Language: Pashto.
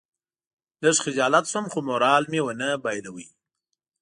لږ خجالت شوم خو مورال مې ونه بایلود.